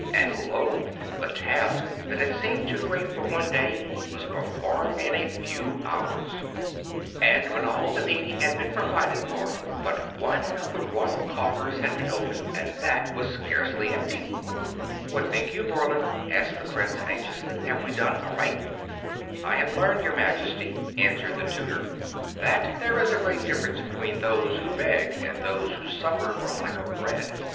And lo! the task that had seemed too great for one day was performed in a few hours, and when all the needy had been provided for but one of the royal coffers had been opened, and that was scarcely empty! "What think you, Borland?" asked the Prince, anxiously, "have we done aright?" "I have learned, Your Majesty," answered the tutor, "that there is a great difference between those who beg and those who suffer for lack of bread.